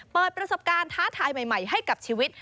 เปิดประสบการณ์ท้าทายใหม่ให้กับชีวิต